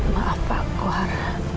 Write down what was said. maaf pak kohar